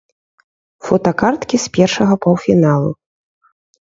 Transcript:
Фотакарткі з першага паўфіналу.